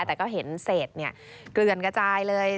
แต่ก็เห็นเศษเกลือนกระจายเลย